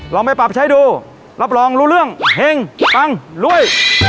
ลองไปปรับใช้ดูรับรองรู้เรื่องเฮงปังรวย